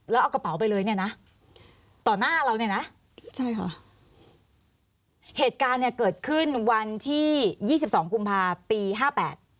แล้วเอากระเป๋าไปเลยเนี่ยนะต่อหน้าเราเนี่ยนะใช่ค่ะเหตุการณ์เนี่ยเกิดขึ้นวันที่ยี่สิบสองกุมภาปีห้าแปด